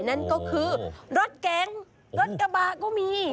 นั่นก็คือรถเก๋งรถกระบะก็มี